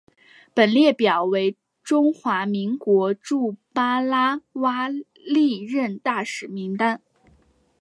本列表为中华民国驻巴拉圭历任大使名录。